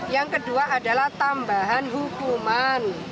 yang kedua adalah tambahan hukuman